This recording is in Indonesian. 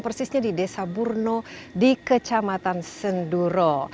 persisnya di desa burno di kecamatan senduro